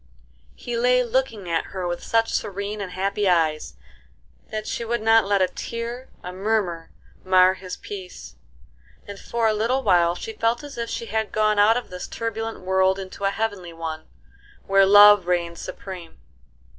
He lay looking at her with such serene and happy eyes that she would not let a tear, a murmur, mar his peace; and for a little while she felt as if she had gone out of this turbulent world into a heavenly one, where love reigned supreme.